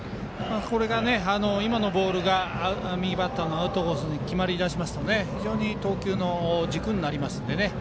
今のボールが右バッターのアウトコースに決まり出しますと非常に投球の軸になるので。